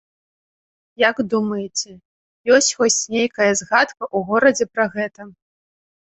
Як думаеце, ёсць хоць нейкая згадка ў горадзе пра гэта?